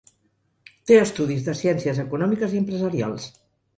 Té estudis de Ciències Econòmiques i Empresarials.